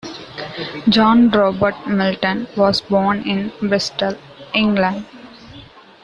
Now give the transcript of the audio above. John Robert Milton was born in Bristol, England.